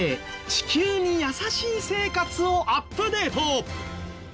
地球に優しい生活をアップデート。